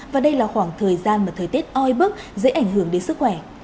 và đây là khoảng thời gian mà thời tiết oi bức dễ ảnh hưởng đến sức khỏe